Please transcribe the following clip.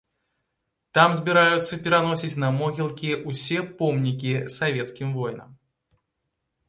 Там збіраюцца пераносіць на могілкі ўсе помнікі савецкім воінам.